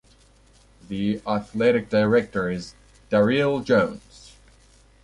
The Athletic Director is Daryl Jones.